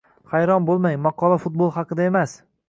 Hayron bo‘lmang, maqola futbol haqida emas